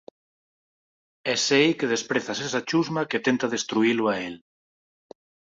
E sei que desprezas esa chusma que tenta destruílo a El.